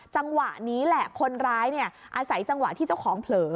จังหวะนี้แหละคนร้ายอาศัยจังหวะที่เจ้าของเผลอ